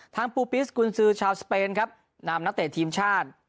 ปูปิสกุญซือชาวสเปนครับนำนักเตะทีมชาติ